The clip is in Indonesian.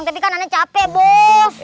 tapi kan anaknya capek bos